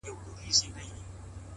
علم د انسان دننه ځواک راویښوي,